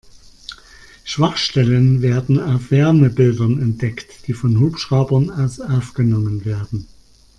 Schwachstellen werden auf Wärmebildern entdeckt, die von Hubschraubern aus aufgenommen werden.